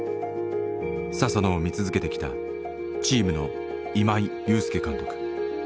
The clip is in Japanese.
佐々野を見続けてきたチームの今井裕介監督。